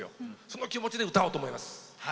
その気持ちで歌おうと思います。